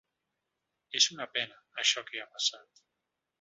És una pena, això que ha passat.